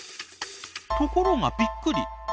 ところがびっくり。